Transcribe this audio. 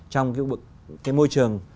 trong cái môi trường